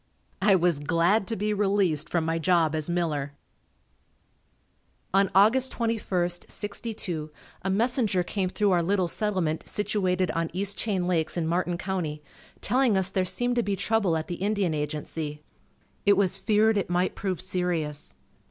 I was glad to be released from my job as miller. On Aug. 21, '62 a messenger came through our little settlement situated on East Chain Lakes in Martin County, telling us there seemed to be trouble at the Indian Agency. It was feared it might prove serious.